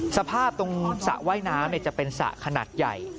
สภาพตรงสระว่ายน้ำจะเป็นสระขนาดใหญ่